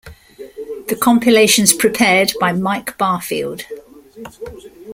The compilations prepared by Mike Barfield.